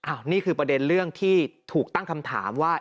อันนี้คือประเด็นเรื่องที่ถูกตั้งคำถามว่า